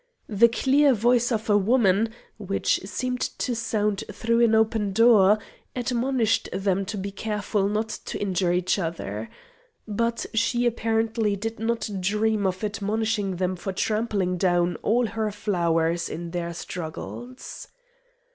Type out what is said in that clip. The clear voice of a woman, which seemed to sound through an open door, admonished them to be careful not to injure each other. But she apparently did not dream of admonishing them for trampling down all her flowers in their struggles.